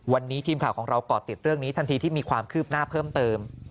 วันนี้ทีมข่าวของเราก่อติดเรื่องนี้ทันทีที่มีความคืบหน้าเพิ่มเติม